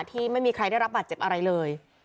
ที่ไม่มีใครได้รับบาดเจ็บอะไรเลย